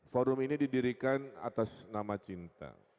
forum ini didirikan atas nama cinta